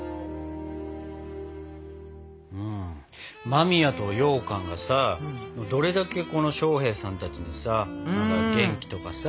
間宮とようかんがさどれだけ将兵さんたちにさ元気とかさ